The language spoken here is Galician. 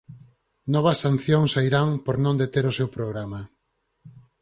Novas sancións a Irán por non deter o seu programa